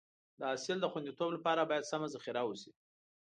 د حاصل د خونديتوب لپاره باید سمه ذخیره وشي.